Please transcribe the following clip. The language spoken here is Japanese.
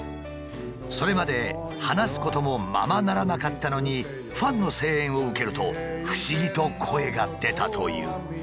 それまで話すこともままならなかったのにファンの声援を受けると不思議と声が出たという。